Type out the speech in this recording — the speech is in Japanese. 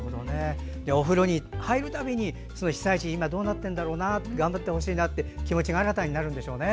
お風呂に入るたびに被災地がどうなってるだろうな頑張ってほしいなっていう気持ちが新たになるんでしょうね。